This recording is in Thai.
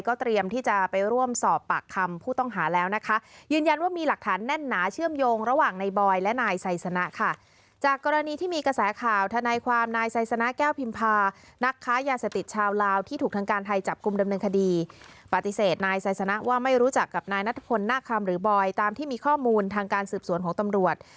ก็เตรียมที่จะไปร่วมสอบปากคำผู้ต้องหาแล้ว